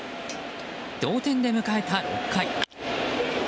同点で迎えた６回。